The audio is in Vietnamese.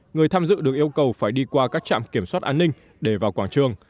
người tham dự được yêu cầu phải đi qua các trạm kiểm soát an ninh để vào quảng trường